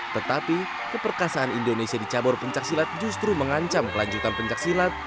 tetapi keperkasaan indonesia di cabur pencaksilat justru mengancam kelanjutan pencaksilat